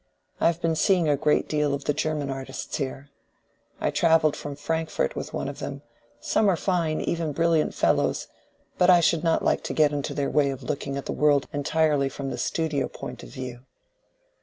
I have been seeing a great deal of the German artists here: I travelled from Frankfort with one of them. Some are fine, even brilliant fellows—but I should not like to get into their way of looking at the world entirely from the studio point of view."